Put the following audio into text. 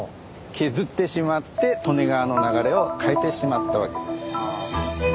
削ってしまって利根川の流れを変えてしまったわけです。